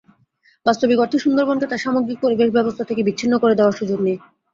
বাস্তবিক অর্থে সুন্দরবনকে তার সামগ্রিক প্রতিবেশব্যবস্থা থেকে বিচ্ছিন্ন করে দেখার সুযোগ নেই।